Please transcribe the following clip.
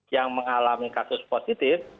yang mengalami kasus positif